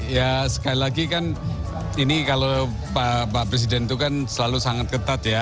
ya sekali lagi kan ini kalau pak presiden itu kan selalu sangat ketat ya